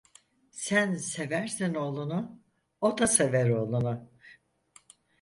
Sen seversen oğlunu, o da sever oğlunu.